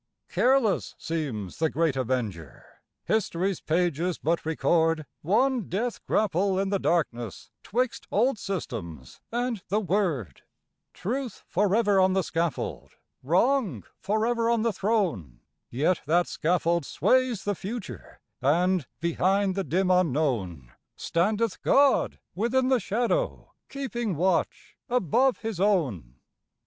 Careless seems the great Avenger; history's pages but record One death grapple in the darkness 'twixt old systems and the Word; Truth forever on the scaffold, Wrong forever on the throne,— Yet that scaffold sways the future, and, behind the dim unknown, Standeth God within the shadow, keeping watch above his own.